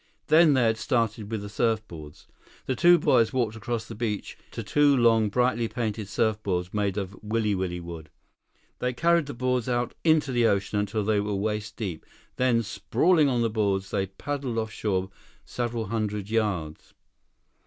Then they had started with the surfboards. The two boys walked across the beach to two long, brightly painted surfboards made of wiliwili wood. They carried the boards out into the ocean until they were waist deep. Then, sprawling on the boards, they paddled off shore several hundred yards.